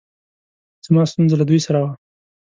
زما ستونره له دوی سره وه